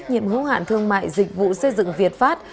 công ty trách nhiệm hữu hạn thương mại dịch vụ xây dựng việt pháp